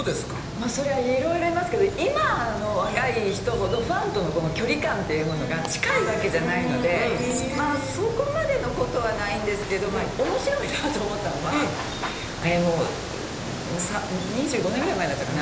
まあそりゃいろいろいますけど今の若い人ほどファンとのこの距離感っていうものが近い訳じゃないのでそこまでのことはないんですけど面白いなと思ったのはもう２５年ぐらい前だったかな